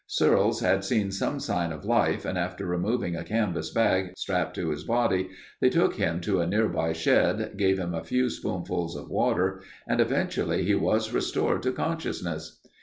Searles had seen some sign of life and after removing a canvas bag strapped to his body they took him to a nearby shed, gave him a few spoonfuls of water and eventually he was restored to consciousness.